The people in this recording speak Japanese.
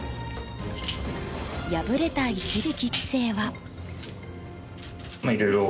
敗れた一力棋聖は。